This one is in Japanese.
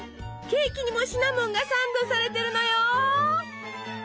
ケーキにもシナモンがサンドされてるのよ。